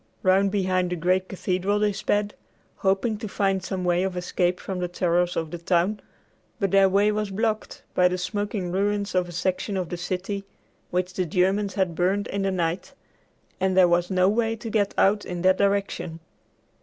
Round behind the great cathedral they sped, hoping to find some way of escape from the terrors of the town, but their way was blocked by the smoking ruins of a section of the city which the Germans had burned in the night, and there was no way to get out in that direction.